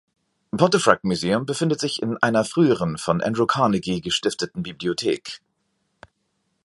Pontefract Museum befindet sich in einer früheren von Andrew Carnegie gestifteten Bibliothek.